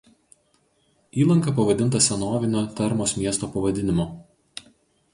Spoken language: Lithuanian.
Įlanka pavadinta senovinio Termos miesto pavadinimu.